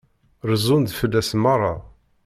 Rezzun-d fell-as merra.